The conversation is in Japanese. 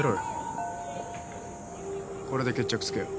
これで決着つけよう。